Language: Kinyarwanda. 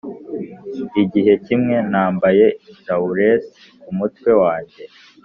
igihe kimwe nambaye laurels kumutwe wanjye,